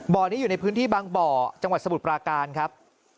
เบาะนี้อยู่ในพื้นที่บางเบาะจังหวัดสบุปรากาลครับ